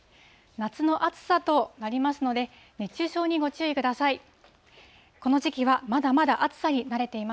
夏の暑さとなりますので、熱中症にご注意ください。